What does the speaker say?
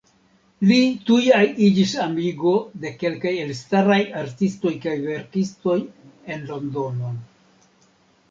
Li tuj iĝis amiko de kelkaj elstaraj artistoj kaj verkistoj en Londonon.